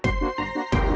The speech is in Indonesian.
aku akan bantu kamu